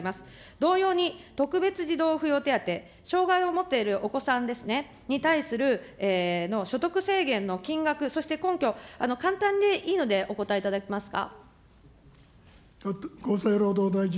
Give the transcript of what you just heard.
同様に、特別児童扶養手当、障害を持っているお子さんですね、に対する、所得制限の金額、そして根拠、簡単でいいのでお答えいただけますか。